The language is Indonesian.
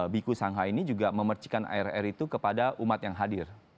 bikul sangha ini juga memercikan air air itu kepada umat yang hadir